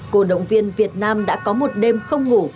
cổ động viên việt nam đã có một đêm không ngủ